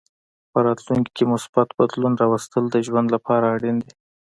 په راتلونکې کې مثبت بدلون راوستل د ژوند لپاره اړین دي.